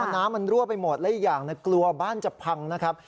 น้ำมันรั่วไปหมดและอีกอย่างกลัวบ้านจะพังนะครับ